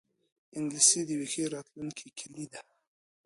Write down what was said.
انګلیسي د یوی ښه راتلونکې کلۍ ده